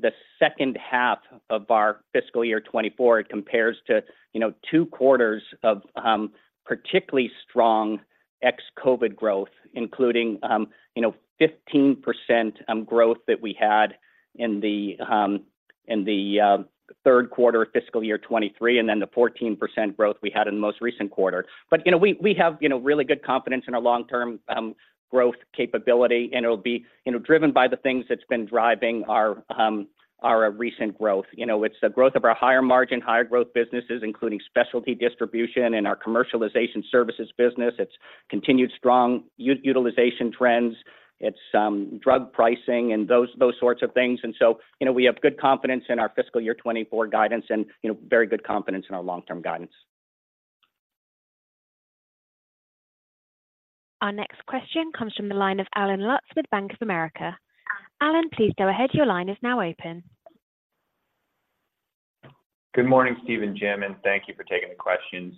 the second half of our fiscal year 2024, it compares to, you know, two quarters of particularly strong ex-COVID growth, including, you know, 15% growth that we had in the Q3 of fiscal year 2023, and then the 14% growth we had in the most recent quarter. But, you know, we have, you know, really good confidence in our long-term growth capability, and it'll be, you know, driven by the things that's been driving our recent growth. You know, it's the growth of our higher margin, higher growth businesses, including specialty distribution and our commercialization services business. It's continued strong utilization trends, it's drug pricing and those sorts of things. And so, you know, we have good confidence in our fiscal year 2024 guidance and, you know, very good confidence in our long-term guidance. Our next question comes from the line of Allen Lutz with Bank of America. Allen, please go ahead. Your line is now open. Good morning, Steve and Jim, and thank you for taking the questions.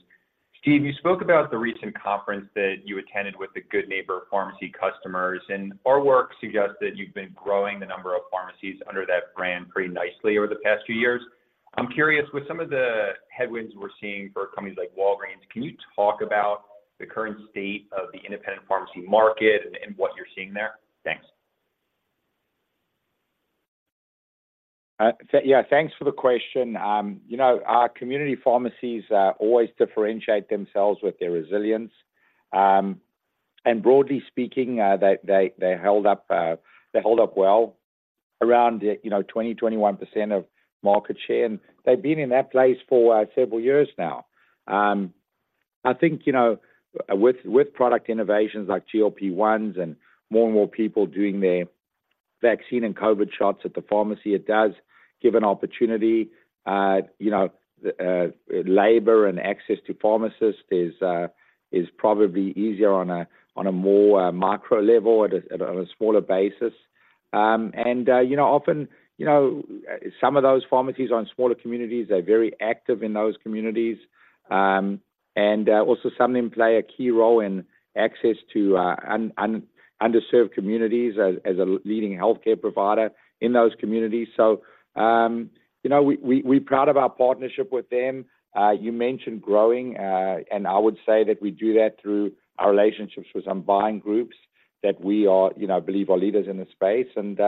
Steve, you spoke about the recent conference that you attended with the Good Neighbor Pharmacy customers, and our work suggests that you've been growing the number of pharmacies under that brand pretty nicely over the past few years. I'm curious, with some of the headwinds we're seeing for companies like Walgreens, can you talk about the current state of the independent pharmacy market and what you're seeing there? Thanks. Yeah, thanks for the question. You know, our community pharmacies always differentiate themselves with their resilience. And broadly speaking, they held up well around the, you know, 20-21% of market share, and they've been in that place for several years now. I think, you know, with product innovations like GLP-1s and more and more people doing their vaccine and COVID shots at the pharmacy. It does give an opportunity, you know, the labor and access to pharmacists is probably easier on a more micro level, on a smaller basis. And, you know, often, you know, some of those pharmacies are in smaller communities. They're very active in those communities. And, also some of them play a key role in access to underserved communities as a leading healthcare provider in those communities. So, you know, we're proud of our partnership with them. You mentioned growing, and I would say that we do that through our relationships with some buying groups that we, you know, believe are leaders in this space. And,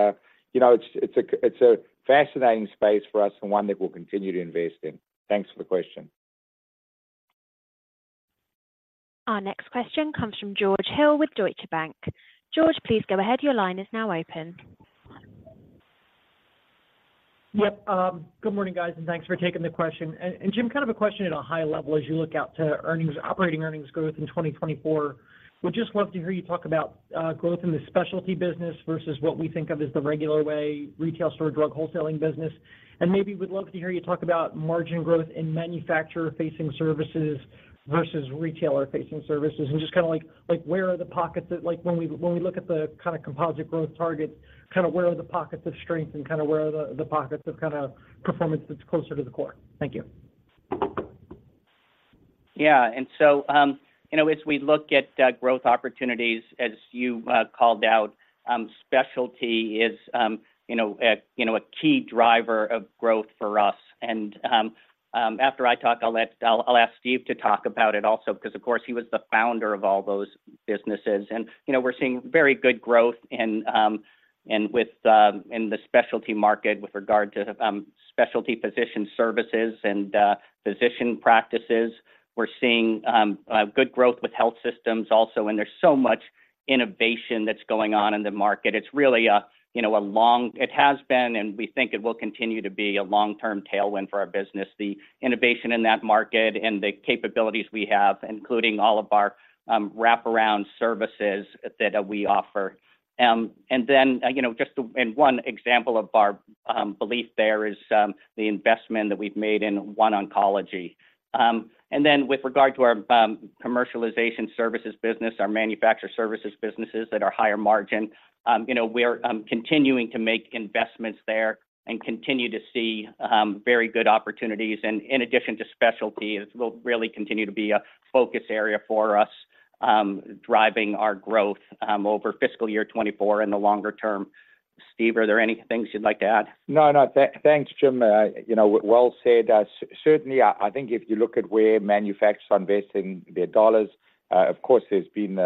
you know, it's a fascinating space for us and one that we'll continue to invest in. Thanks for the question. Our next question comes from George Hill with Deutsche Bank. George, please go ahead. Your line is now open. Yep. Good morning, guys, and thanks for taking the question. And Jim, kind of a question at a high level as you look out to earnings, operating earnings growth in 2024. Would just love to hear you talk about growth in the specialty business versus what we think of as the regular way, retail store, drug wholesaling business. And maybe would love to hear you talk about margin growth in manufacturer-facing services versus retailer-facing services, and just kinda like where are the pockets that, like, when we look at the kinda composite growth targets, kinda where are the pockets of strength and kinda where are the pockets of kinda performance that's closer to the core? Thank you. Yeah. And so, you know, as we look at growth opportunities, as you called out, specialty is, you know, a key driver of growth for us. And after I talk, I'll ask Steve to talk about it also, 'cause, of course, he was the founder of all those businesses. And, you know, we're seeing very good growth in the specialty market with regard to specialty physician services and physician practices. We're seeing good growth with health systems also, and there's so much innovation that's going on in the market. It's really a long-term tailwind for our business. It has been, and we think it will continue to be a long-term tailwind for our business. The innovation in that market and the capabilities we have, including all of our wraparound services that we offer. And then, you know, just to, and one example of our belief there is the investment that we've made in OneOncology. And then with regard to our commercialization services business, our manufacturer services businesses that are higher margin, you know, we're continuing to make investments there and continue to see very good opportunities. And in addition to specialty, it will really continue to be a focus area for us, driving our growth over fiscal year 2024 and the longer term. Steve, are there any things you'd like to add? No, no. Thanks, Jim. You know, well said. Certainly, I think if you look at where manufacturers are investing their dollars, of course, there's been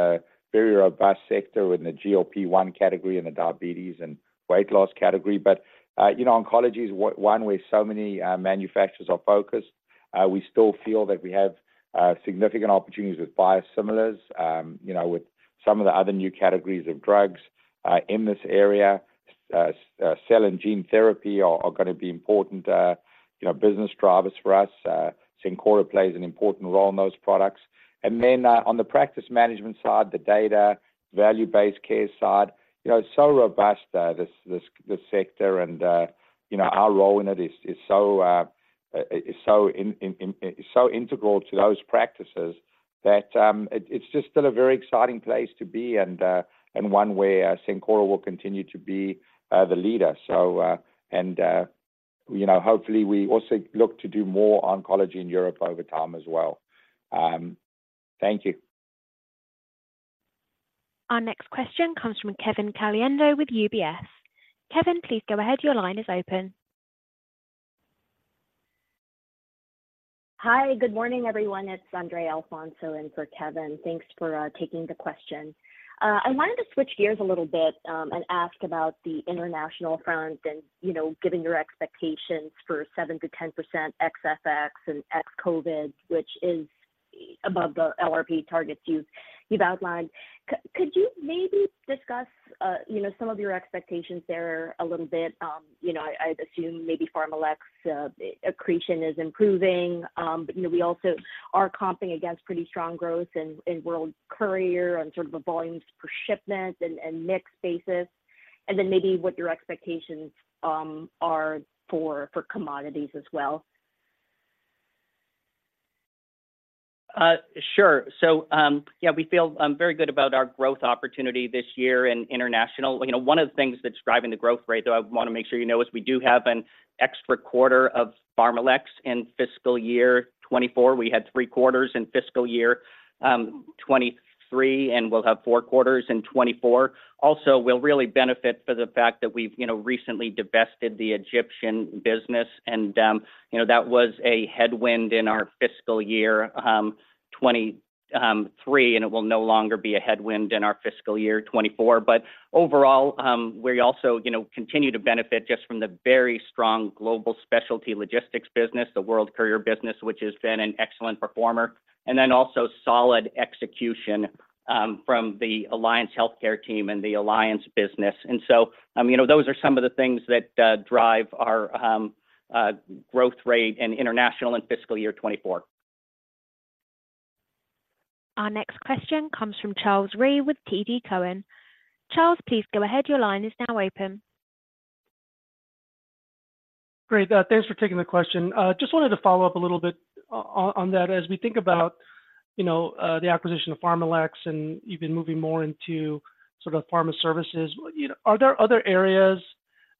a very robust sector in the GLP-1 category and the diabetes and weight loss category. But, you know, oncology is one where so many manufacturers are focused. We still feel that we have significant opportunities with biosimilars, you know, with some of the other new categories of drugs in this area. Cell and gene therapy are gonna be important, you know, business drivers for us. Cencora plays an important role in those products. And then, on the practice management side, the data, value-based care side, you know, it's so robust, this sector. You know, our role in it is so integral to those practices that it's just still a very exciting place to be and one where Cencora will continue to be the leader. So, you know, hopefully, we also look to do more oncology in Europe over time as well. Thank you. Our next question comes from Kevin Caliendo with UBS. Kevin, please go ahead. Your line is open. Hi, good morning, everyone. It's Andrea Alfonso in for Kevin. Thanks for taking the question. I wanted to switch gears a little bit and ask about the international front and, you know, given your expectations for 7%-10% ex FX and ex COVID, which is above the LRP targets you've outlined. Could you maybe discuss, you know, some of your expectations there a little bit? You know, I'd assume maybe PharmaLex accretion is improving, but, you know, we also are comping against pretty strong growth in World Courier and sort of a volumes per shipment and mix basis, and then maybe what your expectations are for commodities as well. Sure. So, yeah, we feel, very good about our growth opportunity this year in international. You know, one of the things that's driving the growth rate, though, I want to make sure you know, is we do have an extra quarter of PharmaLex in fiscal year 2024. We had three quarters in fiscal year 2023, and we'll have four quarters in 2024. Also, we'll really benefit for the fact that we've, you know, recently divested the Egyptian business, and, you know, that was a headwind in our fiscal year 2023, and it will no longer be a headwind in our fiscal year 2024. But overall, we also, you know, continue to benefit just from the very strong global specialty logistics business, the World Courier business, which has been an excellent performer, and then also solid execution from the Alliance Healthcare team and the Alliance business. And so, you know, those are some of the things that drive our growth rate in international in fiscal year 2024. ...Our next question comes from Charles Rhyee with TD Cowen. Charles, please go ahead. Your line is now open. Great, thanks for taking the question. Just wanted to follow up a little bit on that. As we think about, you know, the acquisition of PharmaLex, and you've been moving more into sort of pharma services, you know, are there other areas,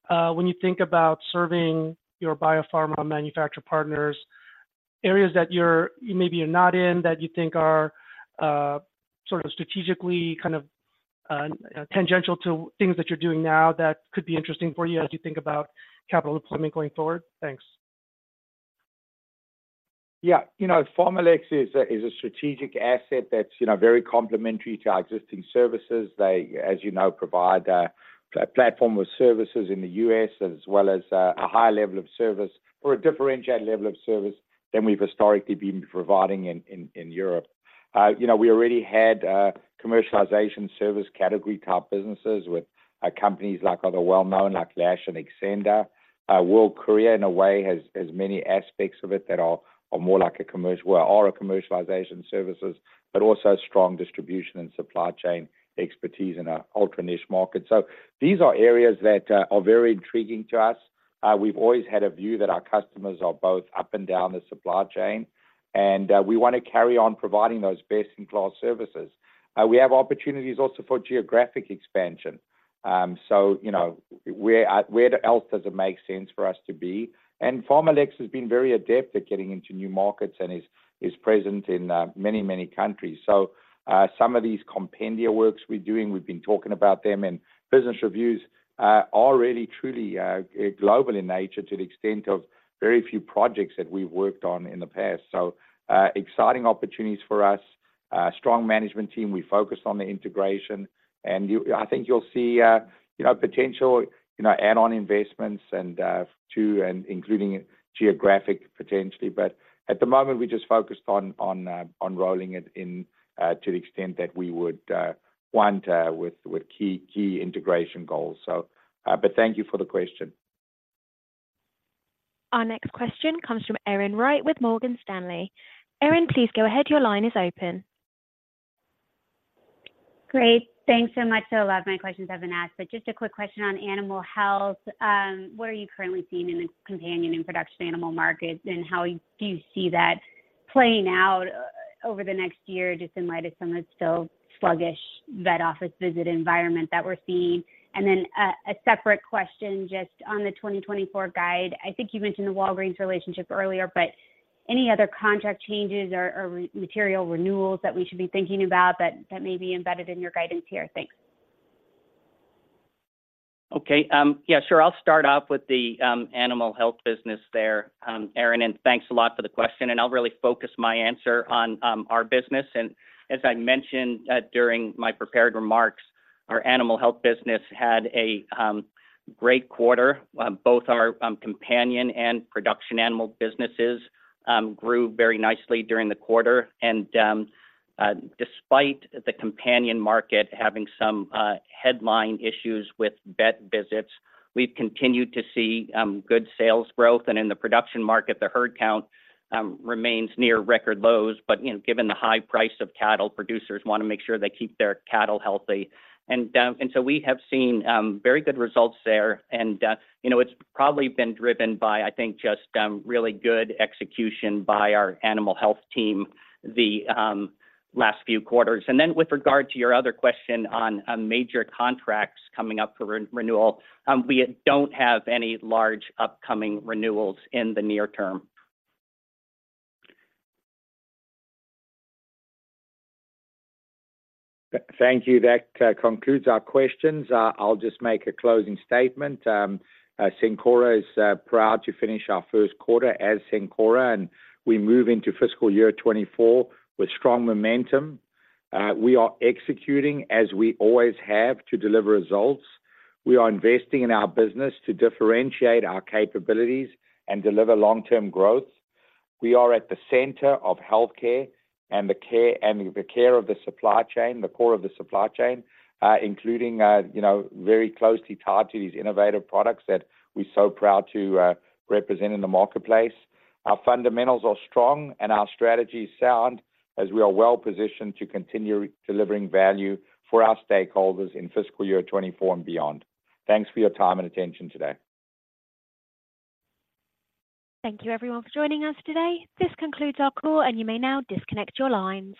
when you think about serving your biopharma manufacturer partners, areas that you're, maybe you're not in, that you think are, sort of strategically kind of, tangential to things that you're doing now that could be interesting for you as you think about capital deployment going forward? Thanks. Yeah, you know, PharmaLex is a strategic asset that's, you know, very complementary to our existing services. They, as you know, provide a platform of services in the U.S., as well as a high level of service or a differentiated level of service than we've historically been providing in Europe. You know, we already had commercialization service category type businesses with companies like other well-known, like Lash and Xcenda. World Courier in a way has many aspects of it that are more like a commercial, well, are a commercialization services, but also strong distribution and supply chain expertise in a ultra niche market. So these are areas that are very intriguing to us. We've always had a view that our customers are both up and down the supply chain, and we want to carry on providing those best-in-class services. We have opportunities also for geographic expansion. So you know, where, where else does it make sense for us to be? And PharmaLex has been very adept at getting into new markets and is present in many, many countries. So, some of these compendia works we're doing, we've been talking about them, and business reviews are really truly global in nature to the extent of very few projects that we've worked on in the past. So, exciting opportunities for us. Strong management team. We focus on the integration, and you... I think you'll see, you know, potential, you know, add-on investments and, to, and including geographic potentially. But at the moment, we're just focused on rolling it in to the extent that we would want with key integration goals. So, but thank you for the question. Our next question comes from Erin Wright with Morgan Stanley. Erin, please go ahead. Your line is open. Great. Thanks so much. So a lot of my questions have been asked, but just a quick question on animal health. What are you currently seeing in the companion and production animal markets, and how do you see that playing out over the next year, just in light of some of the still sluggish vet office visit environment that we're seeing? And then, a separate question just on the 2024 guide. I think you mentioned the Walgreens relationship earlier, but any other contract changes or material renewals that we should be thinking about, that may be embedded in your guidance here? Thanks. Okay. Yeah, sure. I'll start off with the animal health business there, Erin, and thanks a lot for the question, and I'll really focus my answer on our business. And as I mentioned during my prepared remarks, our animal health business had a great quarter. Both our companion and production animal businesses grew very nicely during the quarter. And despite the companion market having some headline issues with vet visits, we've continued to see good sales growth. And in the production market, the herd count remains near record lows, but you know, given the high price of cattle, producers want to make sure they keep their cattle healthy. So we have seen very good results there, and you know, it's probably been driven by, I think, just really good execution by our animal health team the last few quarters. Then with regard to your other question on major contracts coming up for renewal, we don't have any large upcoming renewals in the near term. Thank you. That concludes our questions. I'll just make a closing statement. Cencora is proud to finish our Q1 as Cencora, and we move into fiscal year 2024 with strong momentum. We are executing, as we always have, to deliver results. We are investing in our business to differentiate our capabilities and deliver long-term growth. We are at the center of healthcare and the care, and the care of the supply chain, the core of the supply chain, including, you know, very closely tied to these innovative products that we're so proud to represent in the marketplace. Our fundamentals are strong, and our strategy is sound as we are well positioned to continue delivering value for our stakeholders in fiscal year 2024 and beyond. Thanks for your time and attention today. Thank you, everyone, for joining us today. This concludes our call, and you may now disconnect your lines.